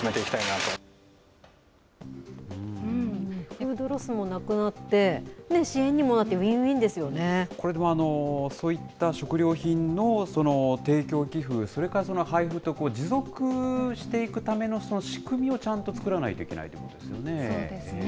フードロスもなくなってね、支援にもなって、ウィンウィンでこれ、でも、そういった食料品の提供、寄付、それからその配付って、持続していくための、その仕組みをちゃんと作らないといけないということですよね。